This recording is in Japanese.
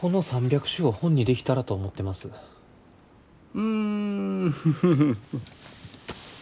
うんフフフフ。